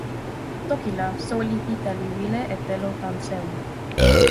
toki la, soweli Pita li wile e telo tan sewi.